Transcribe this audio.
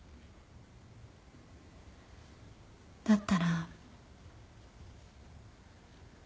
だったら。